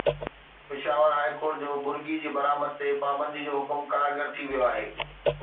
Peshawar high court جو مرغي جي برآمد تي پابندي جو حڪم ڪارگر ٿي ويو آهي